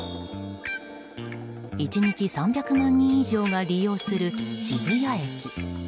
１日３００万人以上が利用する渋谷駅。